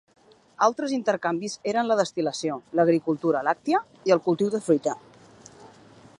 Altres intercanvis eren la destil·lació, l'agricultura làctia i el cultiu de fruita.